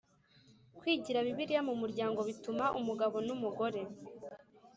Kwigira Bibiliya mu muryango bituma umugabo n umugore